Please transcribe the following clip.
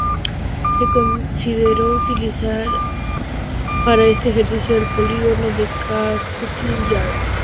Se consideró utilizar para este ejercicio el Polígono de Kapustin Yar, pero fue rechazado.